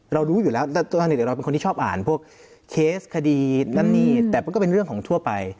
รู้อยู่แล้วตัวทางหนึ่งเราเป็นคนที่ชอบอ่านพวกเคสคดีนั่นนี่แต่มันก็เป็นเรื่องของทั่วไป